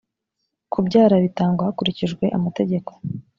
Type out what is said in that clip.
kubyara bitangwa hakurikijwe amategeko